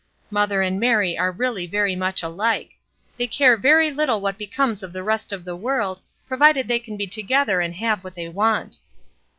Mother and Mary are really very much alike; they care very little what becomes of the rest of the world, provided they can be together and have what they want.''